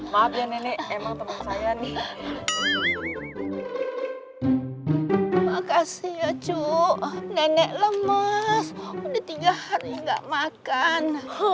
maaf ya nenek emang teman saya nih makasih ya cuk nenek lemes di tiga hari nggak makan